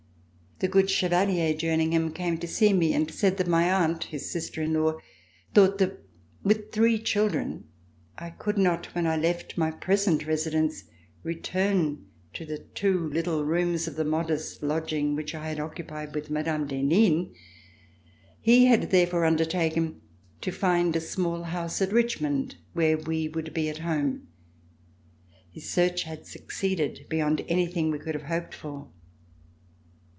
The good Chevalier Jerningham came to see me and said that my aunt, his sister in law, thought that with three children, I could not, when I left my present residence, return to the two little rooms of the modest lodging which I had occupied with Mme. d'Henin. He had therefore undertaken to find a small house at Richmond where we would be at home. His search had succeeded be yond anything we could have hoped for.